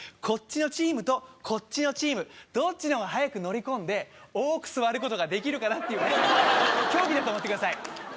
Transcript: こっちのチームとこっちのチームどっちの方が早く乗り込んで多く座ることができるかなっていう競技だと思ってください